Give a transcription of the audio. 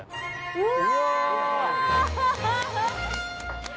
うわ。